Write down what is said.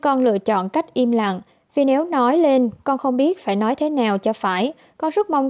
con lựa chọn cách im lặng vì nếu nói lên con không biết phải nói thế nào cho phải con rất mong